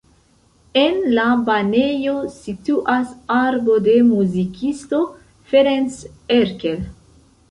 En la banejo situas arbo de muzikisto Ferenc Erkel.